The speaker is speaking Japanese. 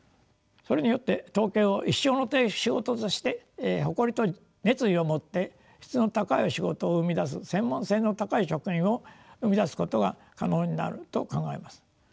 それによって統計を一生の仕事として誇りと熱意を持って質の高い仕事を生み出す専門性の高い職員を生み出すことが可能になると考えます。